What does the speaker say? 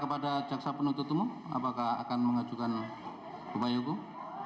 kepada jaksa penuntut umum apakah akan mengajukan upaya hukum